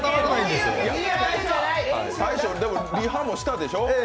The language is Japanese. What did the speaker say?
でも大将、リハもしたでしょ？